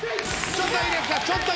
ちょっといいですか？